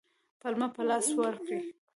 پلمه په لاس ورکړي.